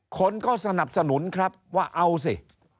คนก็สนับสนุนครับว่าเอาสิ